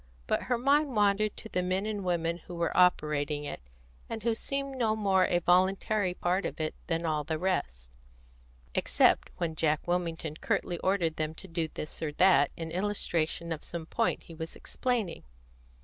But her mind wandered to the men and women who were operating it, and who seemed no more a voluntary part of it than all the rest, except when Jack Wilmington curtly ordered them to do this or that in illustration of some point he was explaining.